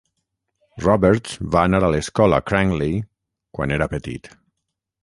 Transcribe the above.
Roberts va anar a l'escola Cranleigh quan era petit.